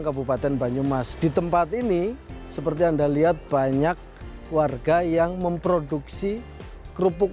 kabupaten banyumas di tempat ini seperti anda lihat banyak warga yang memproduksi kerupuk